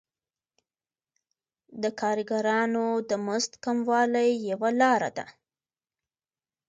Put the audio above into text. د کارګرانو د مزد کموالی یوه لاره ده